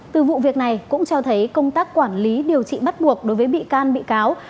từ vụ việc này cũng cho thấy công tác quản lý điều trị bắt buộc đối với bị can bị cáo